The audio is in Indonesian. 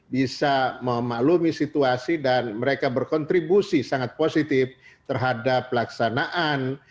bisa memaklumi situasi dan mereka berkontribusi sangat positif terhadap pelaksanaan